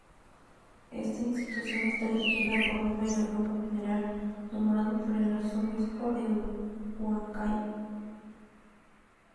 Esta institución está dirigida por un Mayordomo General, nombrado por el Arzobispo de Huancayo.